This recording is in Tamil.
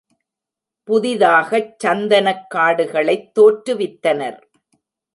புதிதாகச் சந்தனக் காடுகளைத் தோற்றுவித்தனர்.